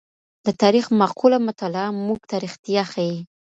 د تاریخ معقوله مطالعه موږ ته رښتیا ښيي.